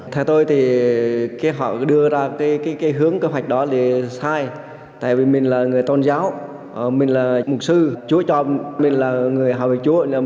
theo tôi thì họ đưa ra cái hướng kế hoạch đó là sai tại vì mình là người tôn giáo mình là mục sư chúa cho mình là người hợp với chúa